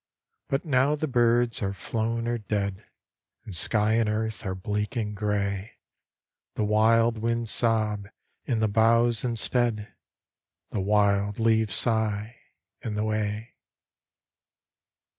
But now the birds are flown or dead; And sky and earth are bleak and gray; The wild winds sob i' the boughs instead, The wild leaves sigh i' the way.